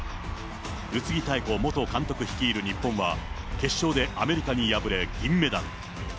宇津木妙子元監督率いる日本は、決勝でアメリカに敗れ銀メダル。